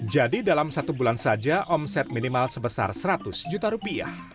jadi dalam satu bulan saja omset minimal sebesar rp seratus